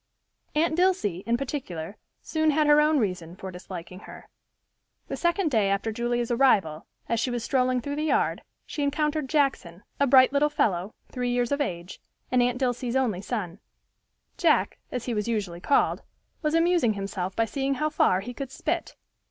Aunt Dilsey, in particular, soon had her own reason for disliking her. The second day after Julia's arrival, as she was strolling through the yard, she encountered Jackson, a bright little fellow, three years of age, and Aunt Dilsey's only son. Jack, as he was usually called, was amusing himself by seeing how far he could spit!